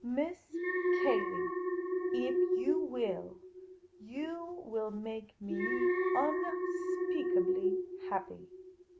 " Miss Cayley, if you will, you will make me un speakably happy."